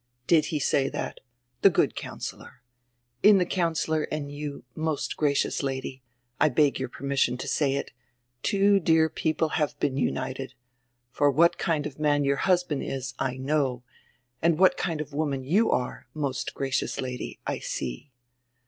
"Did he say diat! The good councillor. In die coun cillor and you, most gracious Lady — I beg your permission to say it — two dear people have been united. For what kind of a man your husband is, I know, and what kind of a woman you are, most gracious Lady, I see."